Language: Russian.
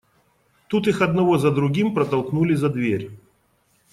Тут их одного за другим протолкнули за дверь.